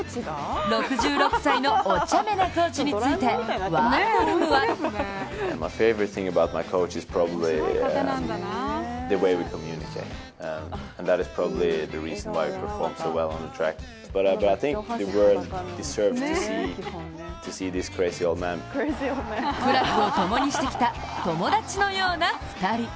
６６歳のおちゃめなコーチについてワーホルムは苦楽をともにしてきた友達のような２人。